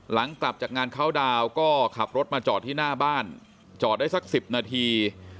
หลังกลับจากงานเข้าดาวน์ก็ขับรถมาจอดที่หน้าบ้านจอดได้สัก๑๐นาที